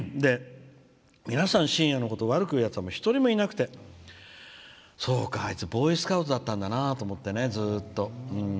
皆さん、しんやのことを悪く言うやつは一人もいなくてボーイスカウトだったんだって思ってね、ずっと。